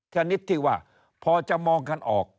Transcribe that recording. ชนิดที่ว่าพอจะมองกันออก